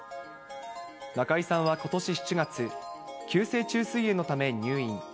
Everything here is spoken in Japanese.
中居さんはことし７月、急性虫垂炎のため入院。